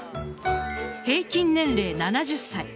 平均年齢７０歳。